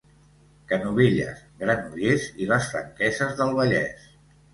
Canovelles, Granollers i les Franqueses del Vallès.